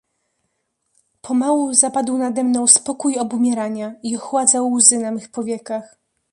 "Pomału zapadł nade mną spokój obumierania i ochładzał łzy na mych powiekach."